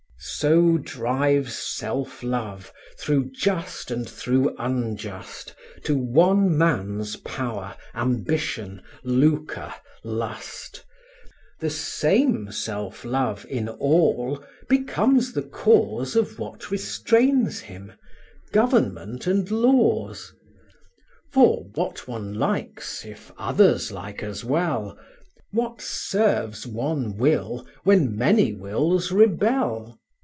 So drives self love, through just and through unjust, To one man's power, ambition, lucre, lust: The same self love, in all, becomes the cause Of what restrains him, government and laws. For, what one likes if others like as well, What serves one will when many wills rebel?